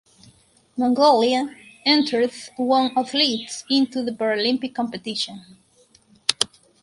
Mongolia entered one athletes into the Paralympic competition.